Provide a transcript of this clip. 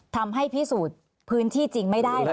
ทำให้พิสูจน์พื้นที่จริงไม่ได้เลย